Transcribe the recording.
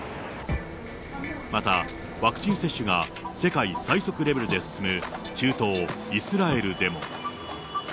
またワクチン接種が世界最速レベルで進む、中東イスラエルでも。